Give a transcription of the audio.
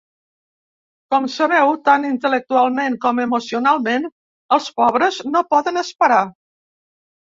Com sabeu, tant intel·lectualment com emocionalment, els pobres no poden esperar.